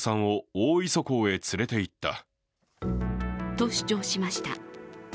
と主張しました。